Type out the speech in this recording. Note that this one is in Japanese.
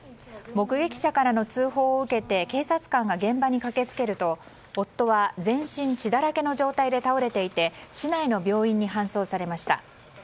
目撃者からの通報を受けて警察官が現場に駆けつけると夫は全身血だらけの状態で倒れていて市内の病院に搬送されました。